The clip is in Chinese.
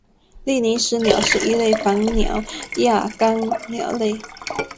利尼斯鸟是一类反鸟亚纲鸟类。